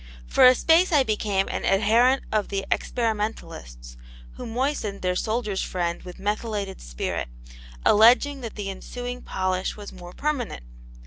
For a space I became an adherent of the experimentalists who moistened their Soldier's Friend with methylated spirit, alleging that the ensuing polish was more permanent.